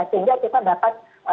sehingga kita dapat